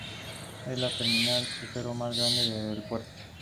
Es la terminal de cruceros más grande del puerto.